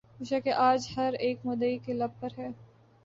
خوشا کہ آج ہر اک مدعی کے لب پر ہے